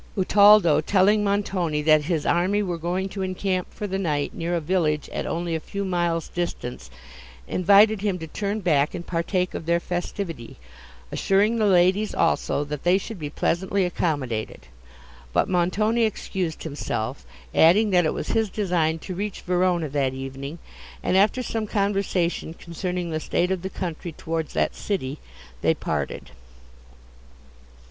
Utaldo, telling Montoni that his army were going to encamp for the night near a village at only a few miles distance, invited him to turn back and partake of their festivity, assuring the ladies also, that they should be pleasantly accommodated; but Montoni excused himself, adding, that it was his design to reach Verona that evening; and, after some conversation concerning the state of the country towards that city, they parted.